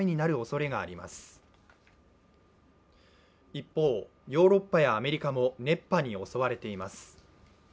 一方、ヨーロッパやアメリカも熱波に襲われています。